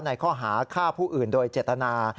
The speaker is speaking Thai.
ในข้อหาฆ่าผู้อื่นโดยเจตนา